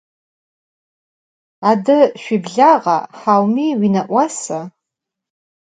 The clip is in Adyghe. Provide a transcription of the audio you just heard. Ade şsuiblağa, haumi vuine'uasa?